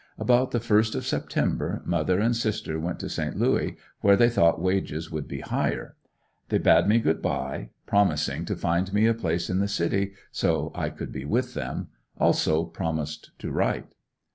About the first of September mother and sister went to Saint Louis where they thought wages would be higher. They bade me good bye, promising to find me a place in the city, so I could be with them; also promised to write.